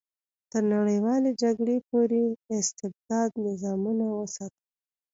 تر نړیوالې جګړې پورې استبدادي نظامونه وساتل.